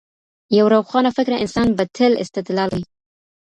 یو روښانه فکره انسان به تل استدلال کوي.